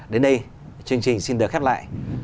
đến đây chương trình xin được khép lại